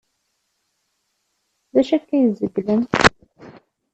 D acu akka ay tzeglem?